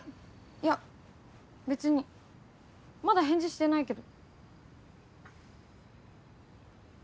いや別にまだ返事してないけど。